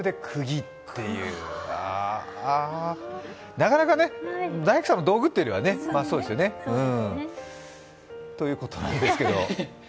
なかなかね、大工さんの道具というよりはね。ということなんですけど。